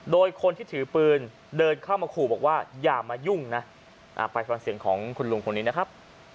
โดยคนที่ถือปืนเดินเข้ามาขู่บอกว่าอย่ามายุ่งนะไปฟังเสียงของคุณลุงคนนี้นะครับ